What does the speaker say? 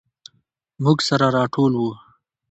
موږ سره راټول وو.